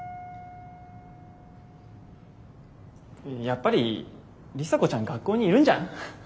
やっぱり里紗子ちゃん学校にいるんじゃん？